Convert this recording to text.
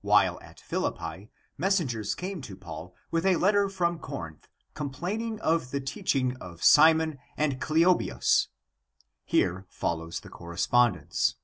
While at Philippi, messengers came to Paul with a letter from Corinth complaining of the teaching of Simon and Cleobius (Here follows the correspondence).